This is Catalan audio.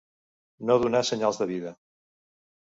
No donar senyals de vida.